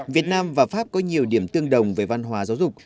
việt nam và pháp có nhiều điểm tương đồng về văn hóa giáo dục